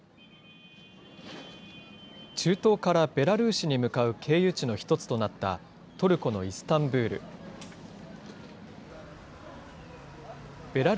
中東からベラルーシに向かう経由地の一つとなった、トルコのイスタンブール。